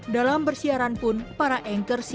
dalam bersiaran pun para anchor cnn